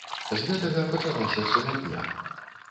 З гэтага пачалася сумятня.